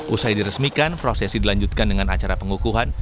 usai diresmikan prosesi dilanjutkan dengan acara pengukuhan